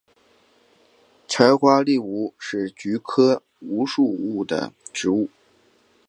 紫花橐吾是菊科橐吾属的植物。